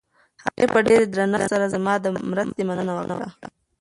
هغې په ډېر درنښت سره زما له مرستې مننه وکړه.